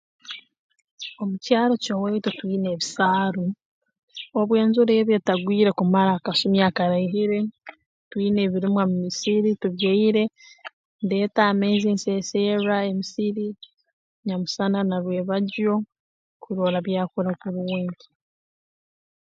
Omu kyaro ky'owaitu twine ebisaaru obu enjura eba etagwire kumara akasumi akaraihire twine ebirimwa mu musiri tubyaire ndeeta amaizi nseeserra emisiri nyamusana na rwebagyo kurora byakura kurungi